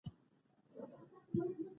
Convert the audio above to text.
• د ګرمولو او روښنایۍ سیستمونه پرمختللي شول.